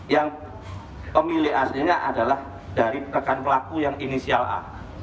yang pemilik aslinya adalah dari rekan pelaku yang inisial a